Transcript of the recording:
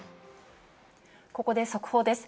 ここで速報です。